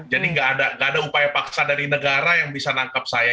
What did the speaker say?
jadi nggak ada upaya paksa dari negara yang bisa nangkap saya